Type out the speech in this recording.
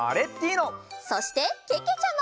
そしてけけちゃま！